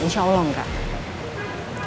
insya allah enggak